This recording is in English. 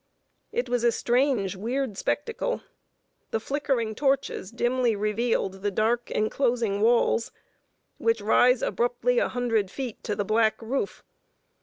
It was a strange, weird spectacle. The flickering torches dimly revealed the dark inclosing walls, which rise abruptly a hundred feet to the black roof.